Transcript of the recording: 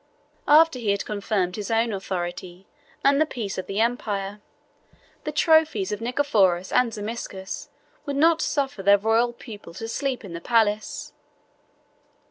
After he had confirmed his own authority, and the peace of the empire, the trophies of Nicephorus and Zimisces would not suffer their royal pupil to sleep in the palace.